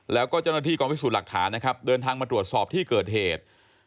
แล้วก็เจ้าหน้าที่กองพิสูจน์หลักฐานนะครับเดินทางมาตรวจสอบที่เกิดเหตุ